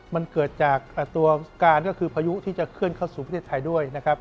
มันเกิดจากตัวการสำเร็จตอนภายุที่จะเขื่อนเข้าสู่ประเทศไทยด้วย